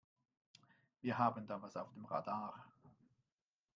Wir haben da was auf dem Radar.